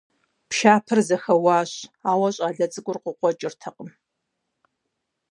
Пшапэр зэхэуащ, ауэ щӀалэ цӀыкӀур къыкъуэкӀыртэкъым.